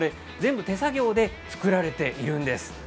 手作業で作られています。